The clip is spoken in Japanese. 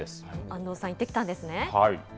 安藤さん、行ってきたんですね。